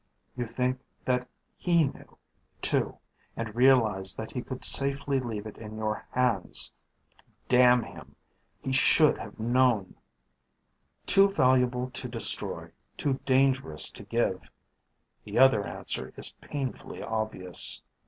You think that he knew, too, and realize that he could safely leave it in your hands. Damn him, he should have known. Too valuable to destroy, too dangerous to give. The other answer is painfully obvious.